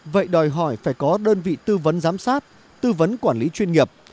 vậy đòi hỏi phải có đơn vị tư vấn giám sát tư vấn quản lý chuyên nghiệp